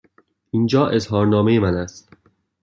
اینجا اظهارنامه من است.